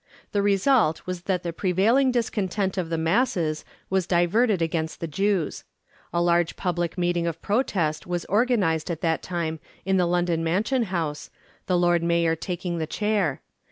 The result was that the prevailing discontent of the masses was diverted against the Jews. A large public meeting of protest was organised at that time in the London Mansion House, the Lord Mayor taking the chair.